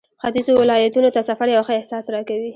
ختيځو ولایتونو ته سفر یو ښه احساس راکوي.